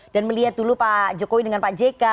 dan melihat dulu pak jokowi dengan pak jk